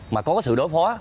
mà có sự đối phó